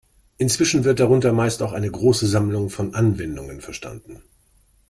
Inzwischen wird darunter meist auch eine große Sammlung von Anwendungen verstanden.